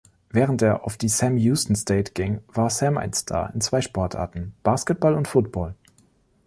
Während er auf die Sam Houston State ging, war Sam ein Star in zwei Sportarten, Basketball und Football.